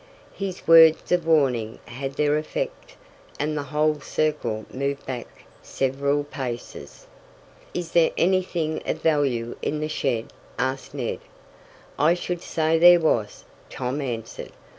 His words of warning had their effect, and the whole circle moved back several paces. "Is there anything of value in the shed?" asked Ned. "I should say there was!" Tom answered.